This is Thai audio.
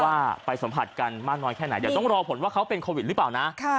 ว่าไปสัมผัสกันมากน้อยแค่ไหนเดี๋ยวต้องรอผลว่าเขาเป็นโควิดหรือเปล่านะ